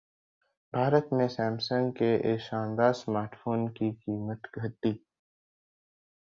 भारत में Samsung के इस शानदार स्मार्टफोन की कीमत घटी